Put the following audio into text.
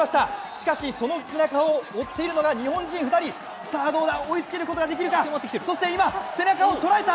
しかしその背中を追っているのは日本人２人、さあどうだ、追いつくことができるか、そして今、背中を捉えた。